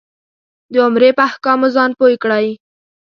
د عمرې په احکامو ځان پوی کړې.